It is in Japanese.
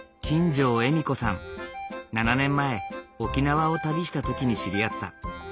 ７年前沖縄を旅した時に知り合った。